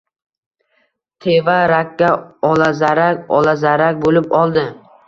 Teva-rakka olazarak-olazarak bo‘lib oldi.